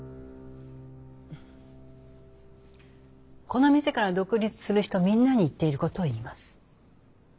この店から独立する人みんなに言っていることを言います。